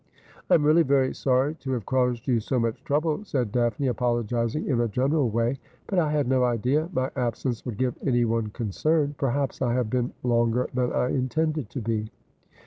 ' I am really very sorry to have caused you so much trouble,' said Daphne, apologising in a general way ;' but I had no idea my absence would give anyone concern. Perhaps I have been longer than I intended to be.'